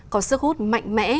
có sức hút mạnh mẽ